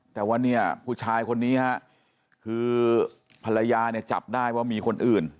แต่ว่าเนี่ยผู้ชายคนนี้ฮะคือภรรยาเนี่ยจับได้ว่ามีคนอื่น